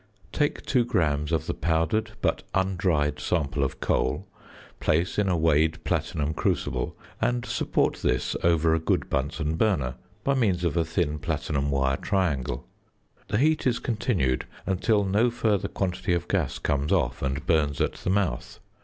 Take 2 grams of the powdered, but undried, sample of coal, place in a weighed platinum crucible, and support this over a good Bunsen burner by means of a thin platinum wire triangle. The heat is continued until no further quantity of gas comes off and burns at the mouth.